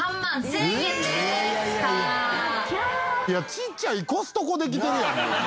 ちっちゃいコストコできてるやんもう。